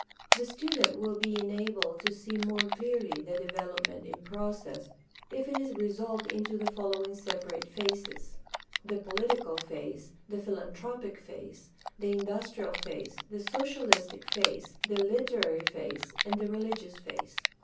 The student will be enabled to see more clearly the development in process if it is resolved into the following separate phases: the political phase, the philanthropic phase, the industrial phase, the socialistic phase, the literary phase, and the religious phase.